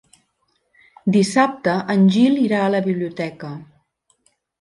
Dissabte en Gil irà a la biblioteca.